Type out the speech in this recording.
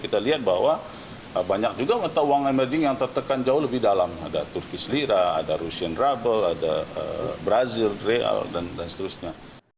kita lihat bahwa banyak juga mata uang emerging yang tertekan jauh lebih dalam ada turkis lira ada rusia rubble ada brazil dreal dan seterusnya